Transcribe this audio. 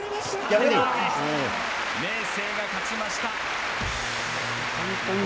明生が勝ちました。